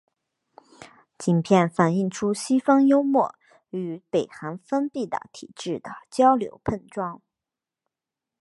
影片反映出西方幽默与北韩封闭的体制的交流碰撞。